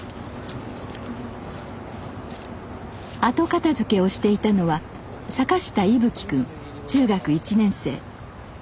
後片づけをしていたのは坂下一颯くん中学１年生。